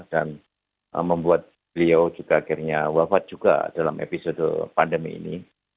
dan membuat beliau juga akhirnya wafat juga dalam episode pandemi ini